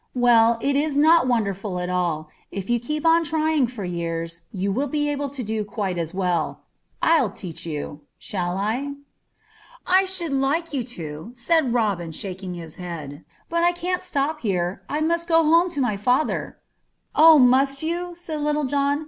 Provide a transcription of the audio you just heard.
"Well, it is not wonderful at all. If you keep on trying for years you will be able to do it quite as well. I'll teach you. Shall I?" "I should like you to," said Robin, shaking his head; "but I can't stop here. I must go home to my father." "Oh! must you?" said Little John.